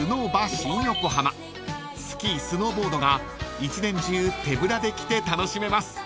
［スキースノーボードが１年中手ぶらで来て楽しめます］